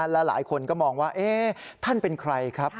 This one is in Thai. และหลายคนก็มองว่าท่านเป็นใครครับ